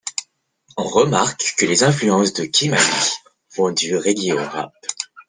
On remarque que les influences de Ky-Mani vont du Reggae au Rap.